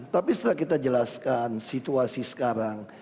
tapi setelah kita jelaskan situasi sekarang